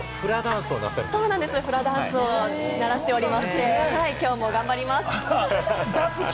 フラダンスを習っておりまして、きょうも頑張ります！